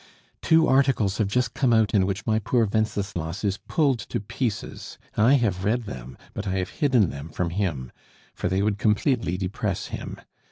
"Two articles have just come out in which my poor Wenceslas is pulled to pieces; I have read them, but I have hidden them from him, for they would completely depress him.